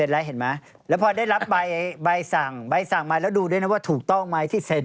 แล้วพอได้รับใบสั่งมาแล้วดูด้วยนะว่าถูกต้องไหมที่เสน